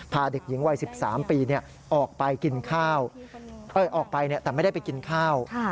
เด็กหญิงวัย๑๓ปีออกไปกินข้าวออกไปแต่ไม่ได้ไปกินข้าว